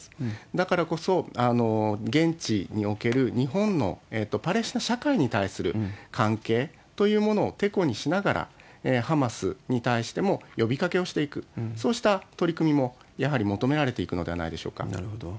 だからこそ、現地における日本のパレスチナ社会に対する関係というものをてこにしながら、ハマスに対しても呼びかけをしていく、そうした取り組みも、やはり求められていくのではないでしょうか。